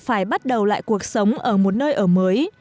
phải bắt đầu lại cuộc sống ở một nơi ở mới